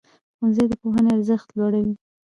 ښوونځی د پوهنې ارزښت لوړوي.